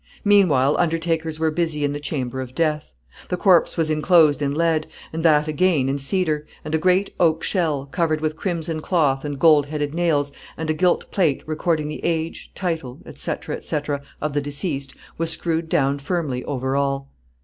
Meanwhile undertakers were busy in the chamber of death. The corpse was enclosed in lead, and that again in cedar, and a great oak shell, covered with crimson cloth and goldheaded nails, and with a gilt plate, recording the age, title, &c. &c., of the deceased, was screwed down firmly over all.